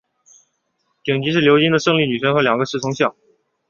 顶端是鎏金的胜利女神和两个侍从像。